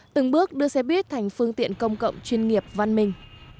từng bước đưa xe buýt thành phương tiện công cộng chuyên nghiệp văn minh